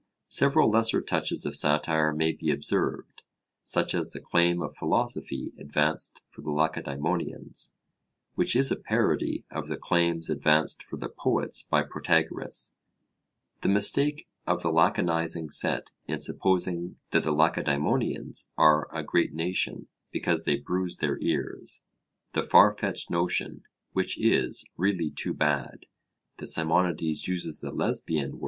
Several lesser touches of satire may be observed, such as the claim of philosophy advanced for the Lacedaemonians, which is a parody of the claims advanced for the Poets by Protagoras; the mistake of the Laconizing set in supposing that the Lacedaemonians are a great nation because they bruise their ears; the far fetched notion, which is 'really too bad,' that Simonides uses the Lesbian